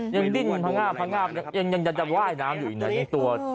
ยังดิ้นพังงาบพังงาบยังยังยังจะไหว้น้ำอยู่อีกหน่อยยังตัว